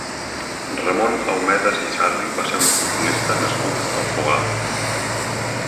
Ramon Aumedes i Sarri va ser un futbolista nascut al Poal.